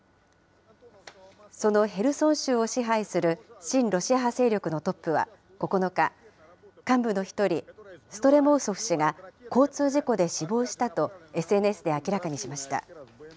そのヘルソン州を支配する親ロシア派勢力のトップは９日、幹部の１人、ストレモウソフ氏が交通事故で死亡したと、ＳＮＳで明らかにしました。